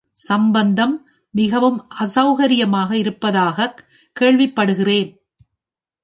சம்பந்தம் மிகவும் அசௌக்கியமாக இருப்பதாகக் கேள்விப்படுகிறேன்.